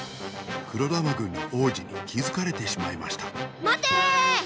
黒玉軍の王子にきづかれてしまいましたまてーー！